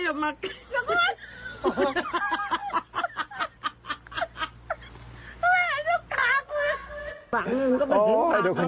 จ้าปากย่ายเลย